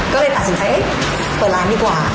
ก็เลยตัดสินค้าเอ๊ะเปิดร้านดีกว่า